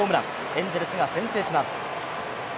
エンゼルスが先制します。